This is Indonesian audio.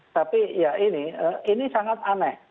tapi ya ini ini sangat aneh